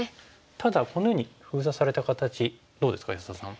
ただこのように封鎖された形どうですか安田さん。